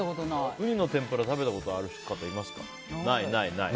ウニの天ぷら、食べたことある方いますか。